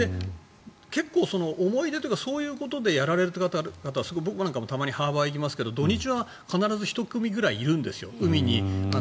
結構、思い出とかそういうことでやられる方は僕も時々ハーバーなんかに行きますが土日は必ず１組くらいいるんですよ。